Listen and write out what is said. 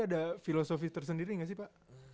ada filosofi tersendiri nggak sih pak